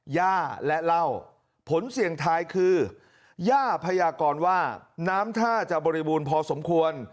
ย่าและเหล้าผลเสี่ยงทายคือย่าพยากรว่าน้ำท่าจะบริบูรณ์พอสมควร